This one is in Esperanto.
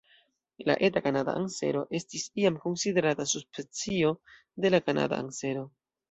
La Eta kanada ansero estis iam konsiderata subspecio de la Kanada ansero.